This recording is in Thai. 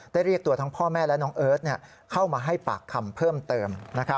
เรียกตัวทั้งพ่อแม่และน้องเอิร์ทเข้ามาให้ปากคำเพิ่มเติม